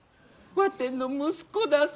わての息子だす。